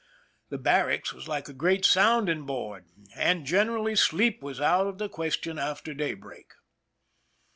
The barracks was like a great sound ing board, and generally sleep was out of the question after daybreak.